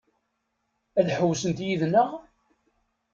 Ad ḥewwsent yid-neɣ?